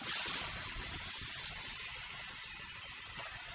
mau jadi kayak gini sih salah buat apa